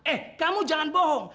eh kamu jangan bohong